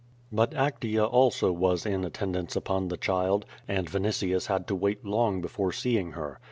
But Actea also was in attendance upon the child, and Vini tius had to wait long before seeing her.